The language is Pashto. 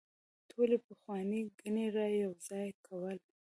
ټولې پخوانۍ ګڼې رايوځاي کول